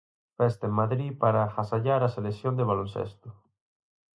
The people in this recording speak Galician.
Festa en Madrid para agasallar a selección de baloncesto.